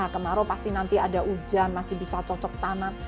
kemarau pasti nanti ada hujan masih bisa cocok tanah